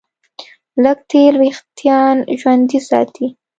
لږ تېل وېښتيان ژوندي ساتي.